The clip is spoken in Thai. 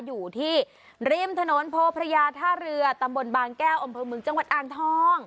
อยู่ที่ริมถนนโพพระยาท่าเรือตำบลบางแก้วอำเภอเมืองจังหวัดอ่างทอง